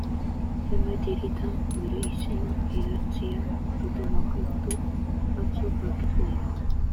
Zenbait hiritan, bere izena idatzia duten objektu batzuk aurkitu dira.